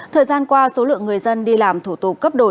thời gian qua số lượng người dân đi làm thủ tục cấp đổi